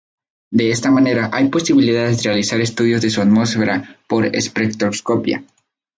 De esta manera, hay posibilidades de realizar estudios de su atmósfera por espectroscopia.